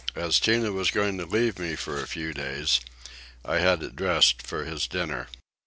As Tinah was going to leave me for a few days I had it dressed for his dinner.